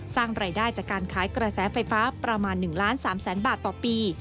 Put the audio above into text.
สร้างรายได้จากการขายกระแสไฟฟ้าประมาณ๑ล้าน๓แสนบาทต่อปี